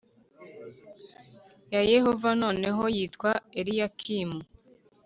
ya yehova nanone yitwa eliyakimu